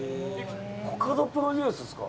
コカドプロデュースっすか。